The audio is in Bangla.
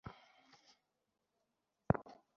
তোমার টাকলা মাথা না।